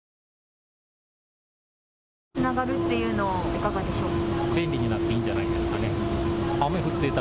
つながるというのはいかがでしょうか。